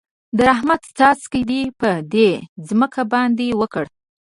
د رحمت څاڅکي دې په دې ځمکه باندې وکره.